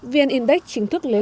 vn index chính thức lệnh